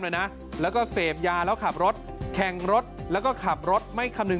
เลยนะแล้วก็เสพยาแล้วขับรถแข่งรถแล้วก็ขับรถไม่คำนึง